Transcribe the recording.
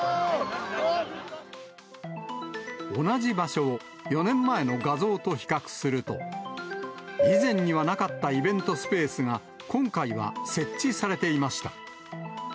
同じ場所を、４年前の画像と比較すると、以前にはなかったイベントスペースが、今回は設置されていました。